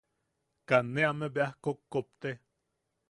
Kaa ne ame beaj kopkopte.